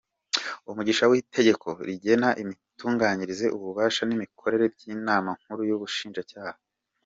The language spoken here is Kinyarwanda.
Umushinga w’Itegeko rigena imitunganyirize, ububasha n’imikorere by’Inama Nkuru y’Ubushinjacyaha;.